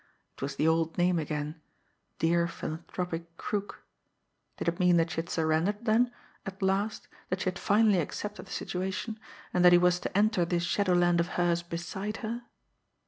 It was the old name again Dear Philanthropic Crook! Did it mean that she had surrendered, then, at last, that she had finally accepted the situation, and that he was to enter this shadowland of hers beside her!